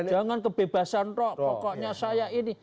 jangan kebebasan roh pokoknya saya ini